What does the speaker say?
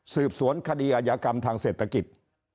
สืบสวนคดีอายากรรมทางเศรษฐกิจ